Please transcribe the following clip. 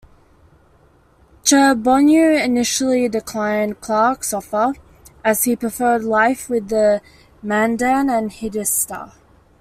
Charbonneau initially declined Clark's offer, as he preferred life with the Mandan and Hidatsa.